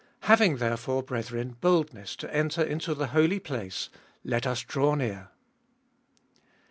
Having therefore, brethren, boldness to enter into the Holy Place ; J 22. Let us draw near.